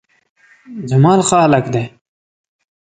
جمال ښه هلک ده